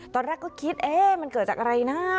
ตอนแรกก็คิดเอ๊ะมันเกิดจากอะไรนะ